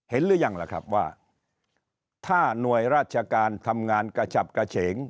หรือยังล่ะครับว่าถ้าหน่วยราชการทำงานกระฉับกระเฉง